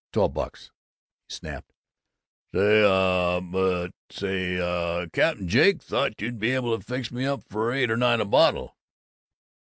"Twelve bucks," he snapped. "Say, uh, but say, cap'n, Jake thought you'd be able to fix me up for eight or nine a bottle."